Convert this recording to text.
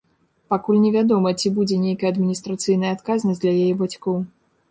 Пакуль невядома, ці будзе нейкая адміністрацыйная адказнасць для яе бацькоў.